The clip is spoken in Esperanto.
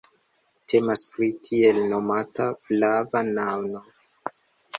Temas pri tiel nomata "flava nano".